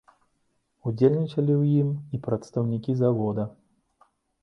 Удзельнічалі ў ім і прадстаўнікі завода.